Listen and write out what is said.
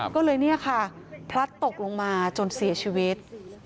ก็เลยเนี่ยค่ะพลัดตกลงมาจนเสียชีวิต